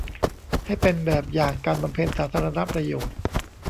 ให้เป็นแบบอย่างการบำเพ็ญสาธารณประโยชน์